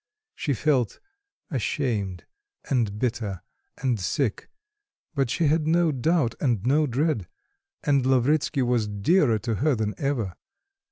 She felt ashamed, and bitter, and sick; but she had no doubt and no dread and Lavretsky was dearer to her than ever.